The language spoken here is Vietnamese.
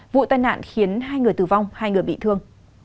vụ tai nạn khiến hai người tử vong hai người bị thương